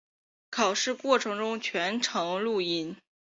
考试过程中全程录音。